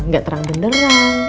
gak terang dan derang